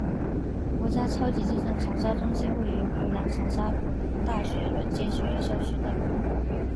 国家超级计算长沙中心位于湖南长沙湖南大学软件学院校区内。